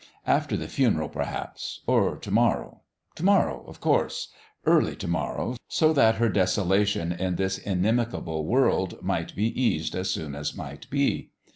After the funeral, perhaps : or to morrow. To morrow, of course : early to morrow, so that her desolation in this inimical world might be eased as soon as might be.